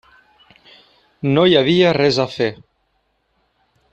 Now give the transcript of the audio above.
No hi havia res a fer.